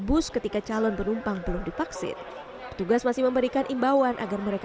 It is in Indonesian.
bus ketika calon penumpang belum divaksin petugas masih memberikan imbauan agar mereka